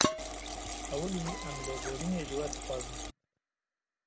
Ewilî em lêborînê ji we dixwazin